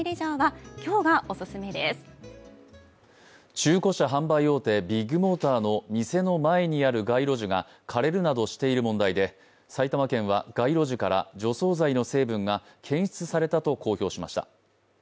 中古車販売大手、ビッグモーターの店の前にある街路樹が枯れるなどしている問題で埼玉県は街路樹から除草剤の成分が検出されたと公表しました。